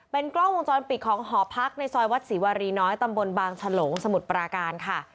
กล้องวงจรปิดของหอพักในซอยวัดศรีวารีน้อยตำบลบางฉลงสมุทรปราการค่ะ